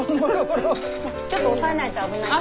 ちょっと押さえないと危ないかな。